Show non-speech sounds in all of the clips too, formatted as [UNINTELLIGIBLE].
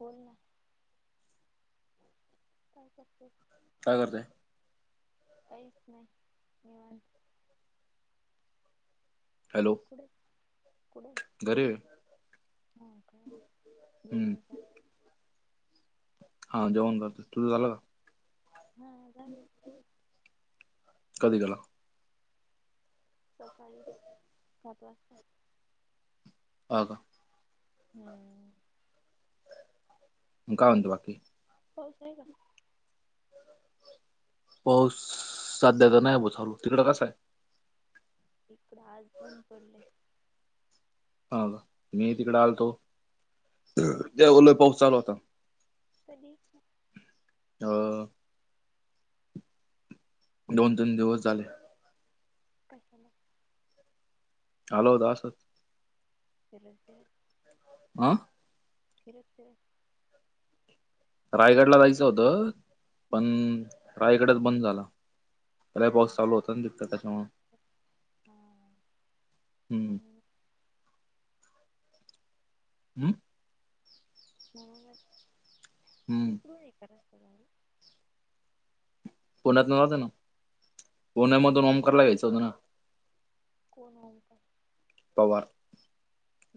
बोल ना. कॉल करते काय करतोय? काहीच नाही निवांत. हॅलो पुढे पुुढे घरी आहे हो का हम्म जेवणचा हा जेवण झालं. तुझं झालं का? हा हा झालं कधी गेला? सकाळी सात वाजता. हो का हम्म मग काय म्हणतो बाकी? पाऊस नाही का? पाऊस सध्या तर नाही बाबा चालू. तिकडं कसा आहे? इकडं आज ऊन पडलंय हो का? मी ही तिकडे आलतो कधी त्यावेळेला पाऊस चालू होता. कधी? हो. दोन तीन दिवस झाले. काय चाललंय? आलो होतो असंच केमिस्ट्रीला आहे. हा? केले होते रायगडला जायचं होतं, हा पण हा रायगडच बंद झालं. त्याला हा बॉस चालू होता ना तिकत हा त्याच्यामुळं हा हम्म. म्हणून हम्म? म्हणून मग, हम्म तिच गोळी आहे का रस्तेदारी पुण्यात न जातं ना पुण्या मधून ओमकारला यायचं होत ना. कोण हो का तवा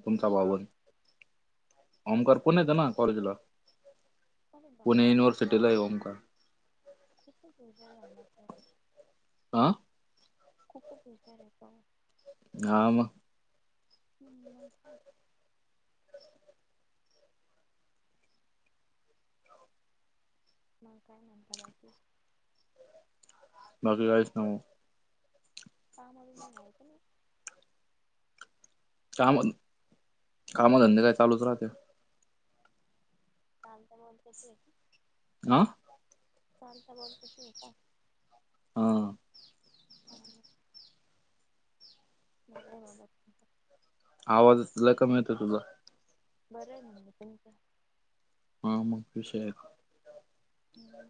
[UNINTELLIGIBLE] भाऊ इकडे अरे ओमकार भाऊ पण यायचा ना कॉलेजला? अरे पुणे बापरे युनिव्हर्सिटीला ये ओंकार. खूपच हुशार झालात परत. हा? खूपच हुशार आहेस सांग. हा मग हम्म मग काय. मग काय म्हणता बाकी? बघणारेस का मग थांब आलो म्हणायचं नई? काम कामधंदे काय चालूच राहते. चालतंय बोलते की नाह चालते बोलते ठीक आहे. हा समजलं बरं आहे बाबा तुझं आवाजच लई कमी येतोय तुझा. बरं आहे म्हंटल तुमचं. हा मग विषय आहे का. [UNINTELLIGIBLE] [INAUDIBLE]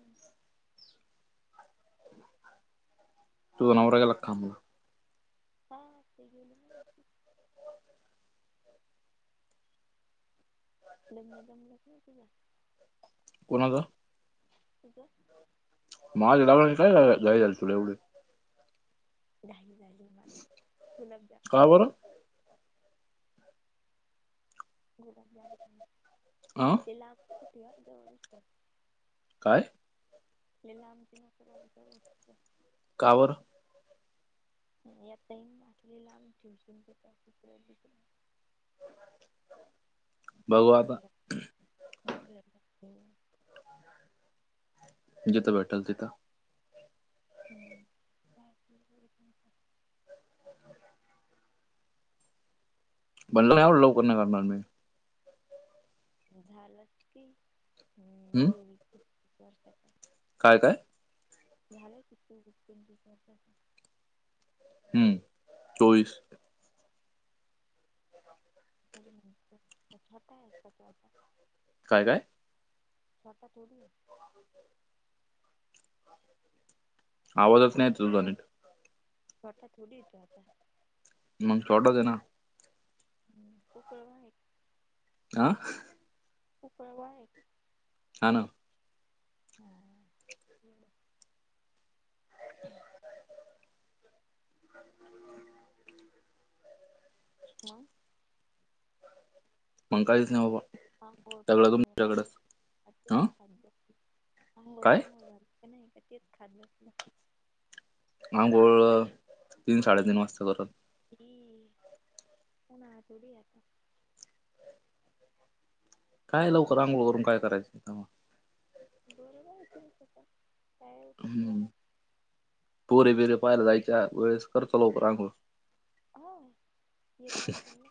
तुझा नवरा गेला का कामावर? ह ते गेले ना. लग्न जमलं का तुझं? कोणाचा तिचं [UNINTELLIGIBLE] एवढं. झाली झाली म्हाला सुलभ जा का बरं? माहिती. गुलाबजाम खाल्लं ह. [UNINTELLIGIBLE] काय? आप लांबचीच वस्त [UNINTELLIGIBLE] का बरं? यातााई असलेला आम्ही ट्युशनत्र बघू राहून आता गेलं ना गेल्यातलं हम्म जिथं भेटेल तिथं. हम्म हम्म हम्म. [UNINTELLIGIBLE] झालं की हम्म च वर्ष काय काय? [UNINTELLIGIBLE] हम्म चोवीस [UNINTELLIGIBLE] काय काय? मठ्ठा थोडी आहे. आवाजच येत नाही तुझा नीट. मठ्ठा थोडी येतो आता मग थोडं देना हम्म उकळवू नये आ? उकळवयाचं. हा ना होय गेलं [INAUDIBLE] मग मग काहीच नाही बाबा. [UNINTELLIGIBLE] का सगळं नाही तुमच्याकडंच. का तेच हा? काय? खात बसले आंघोळ, तीन साडेतीन वाजता करत. की पुन्हा थोडी यायचं काय लवकर अंघोळ करून काय करायचं होतं तवा बरोबर आहे तुमचं. काय हा चुकलं नाही पोरी दिली पाहिला जायच्या, वेळेस करतो लवकर आंघोळ. हो येत असेल ना.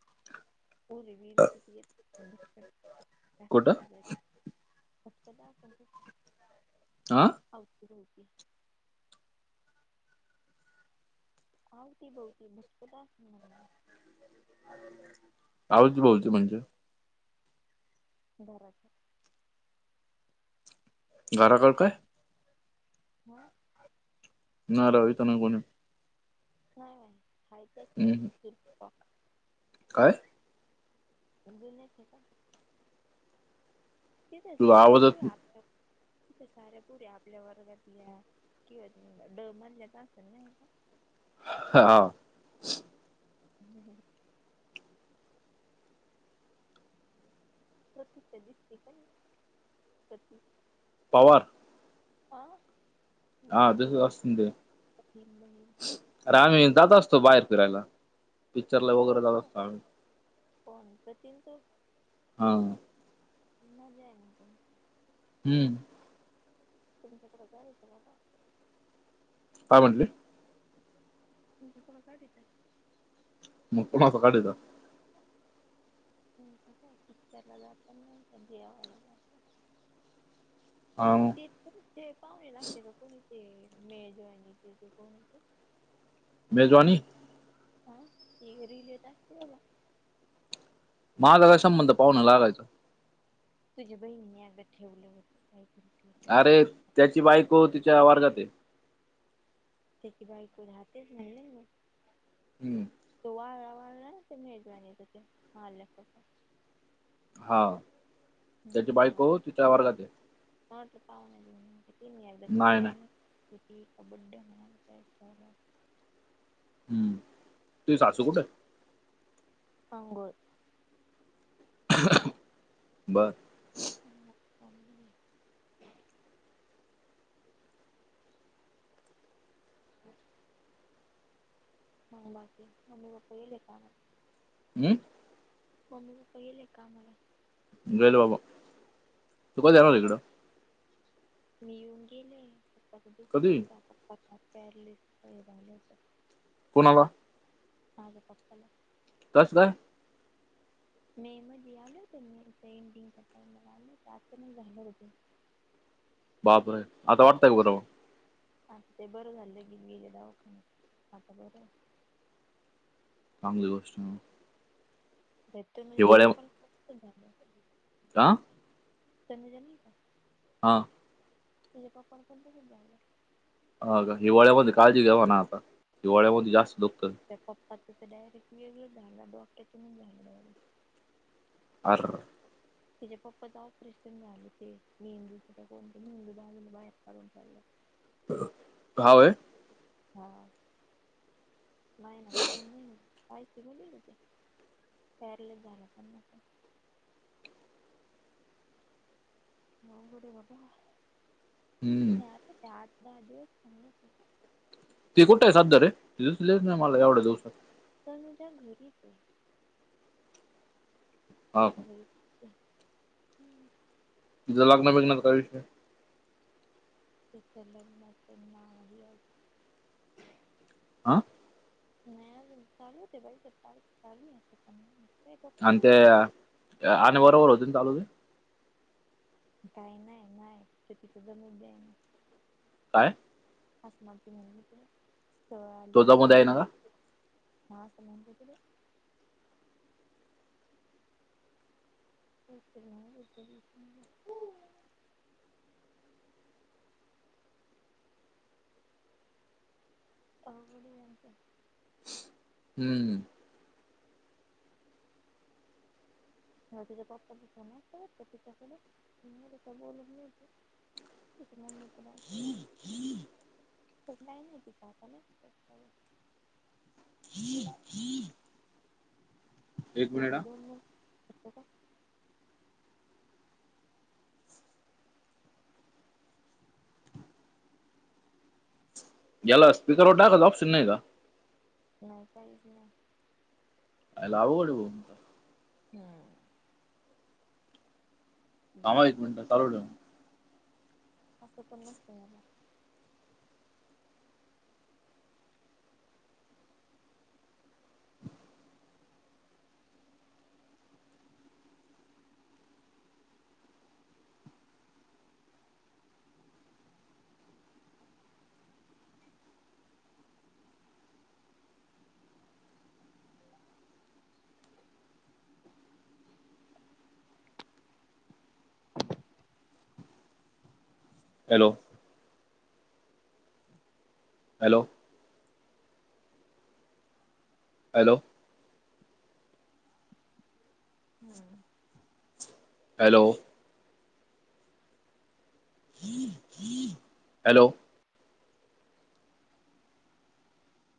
[UNINTELLIGIBLE] कुठं [UNINTELLIGIBLE] आ? अवतीभवती. अवतीभवती भरपूर असणार आहे. आवती भवती म्हणजे. धराच्या. घर जवळ काय. ह ना रवि तर ना कोणी [UNINTELLIGIBLE] नाही नाही हम्म खयचे [UNINTELLIGIBLE] काय. समजून नाहीचे का? किती तुझा जाऱ्या पोरी आवाजात आजचा. तिथे साऱ्या पोरी आपल्या वर्गातल्या किंवा ड मधल्या तर असेन नाही का. हा. ह [UNINTELLIGIBLE] [INAUDIBLE] [INAUDIBLE] पवार. आ हा तुझी तसच बहिण असतं ते तीन बहिण. अरे आम्ही जात असतो बाहेर फिरायला पिक्चरला वगैरे जात असतो आम्ही. कोणप तन तर [UNINTELLIGIBLE] हा. मज आहे म त [UNINTELLIGIBLE] हम्म. तुमच्याकडे जायच मा [UNINTELLIGIBLE] काय म्हंटल. तथोडाठीच [UNINTELLIGIBLE] मग कोणा च काढिता? [UNINTELLIGIBLE] [UNINTELLIGIBLE] पिकच्चरला जात नाही देवाला जात्या. आह ते ते पाहुणे लागते का कोणी ते मेजवानीचे ते कोणीचे [UNINTELLIGIBLE] मेजवानी. हा ते रिल येत असत्या मला. माझा काय संबंध पाहुणा लागायचा. तुझ्या बहीणीनी अगं ठेवलं होत काही अरे त्याची बाईको तिच्या वारगात हे. त्याची बायको राहतेच [UNINTELLIGIBLE] हम्म. तो वाळा वाळा ते मेजवा त ते मारल्यासत. हा. ह त्याची बायको तिच्या वर्गात आहे ह पावना तीन याारख नाही नाही [UNINTELLIGIBLE] ज कबड्डे म्हणालेय [UNINTELLIGIBLE] हम्म तूझी सासू कुठंय? आंघोळ. [UNINTELLIGIBLE] बर मकली [UNINTELLIGIBLE] ह [UNINTELLIGIBLE] ह बाकी मम्मी पप्पा गेले का कामाला? हम्म. मम्मी पप्पा गेले का कामाला? गेल बाबा तू कधी आला इकडं. मी येऊन गेले पकाच दुखत कधी होता पप्पा प्यारलेस हे झालं होत. कोणाला? माझे पप्पाला कसं काय? [INAUDIBLE] मे मध्ये आले होते ना मे जे एंडिंगला आले होते [UNINTELLIGIBLE] बापरे आता वाटतय का बर मग? आता ते बरं झालं घेऊन गेले दवाखान्यात. आता बरं आहे. चांगली गोष्ट भ तु मी त्याच्या कप्पल झालं [UNINTELLIGIBLE] का? ते मिळाली का? हा. तिच्या पप्पाला [UNINTELLIGIBLE] हा का हिवाळ्यामध्ये काळजी घेवा ना आता हिवाळ्यामध्ये जास्त दुखत. त्या पप्पाच डायरेक्ट वेगळ झाडला डॉकट्यात झाडलं [UNINTELLIGIBLE] आरर. त्यािच्या पप्पाचं ऑपरेशन झालं ते मेंदू कोणत मेंदू भाजून बाहेर काढून चाललं [UNINTELLIGIBLE] हावय [UNINTELLIGIBLE] हा महिना का दोन महिने [UNINTELLIGIBLE] मी पण. हो बर बाबा हम्म म आता ते आठ दहा दिवस चांगलं [UNINTELLIGIBLE] ते कुठ जातो रे [UNINTELLIGIBLE] सादरे तेसले नाही मला एवढं जाऊ शतात पण [UNINTELLIGIBLE] घरीच आहे. हा का? हम् [UNINTELLIGIBLE] तुझं लग्न बिघनाच काय विषय? चल मत ना [UNINTELLIGIBLE] आ? नाही ते बाई सता [UNINTELLIGIBLE] आणि ते आणि बरोबर होते ना चालू ते? काही नाही नाही तर तिच जम द्या ना [UNINTELLIGIBLE] काय? आसम म्ह स आलं तो तर जमू द्याय ना त्या का [UNINTELLIGIBLE] हां समून क [UNINTELLIGIBLE] [INAUDIBLE] होब घच [UNINTELLIGIBLE] हम्मम. हा तिच्या पप्पाचा फोन होता वाटत तिच्याकडे बोल [UNINTELLIGIBLE] म नाही नाही त काता ना [UNINTELLIGIBLE] ह ह [UNINTELLIGIBLE] तो काय देऊला का [UNINTELLIGIBLE] याला स्पीकरवर टाकायचं ऑप्शन नाही का? नाही काहीच नाही. अ लावू पड [UNINTELLIGIBLE] हम्म. थांबा एक हम्म मिनिटं चालू ठेवा. असं पण नसतय मला. हॅलो! हॅलो! हॅलो! हम्म हॅलो. हॅलो.